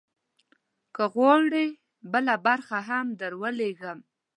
که وغواړې، بله برخه هم درولیږم.